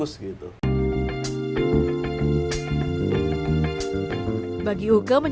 ya jadi memang jadi sebagai pengaksian